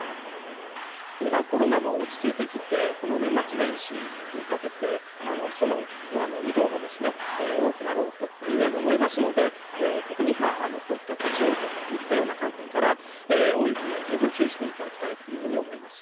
今コロナも落ち着いてきてこの年末年始にかけて人の移動もですね多くなろうというように思いますので特にこういった立往生といったような観点から大雪には十分注意して頂きたいというように思います。